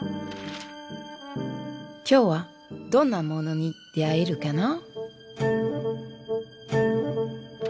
今日はどんなモノに出会えるかな。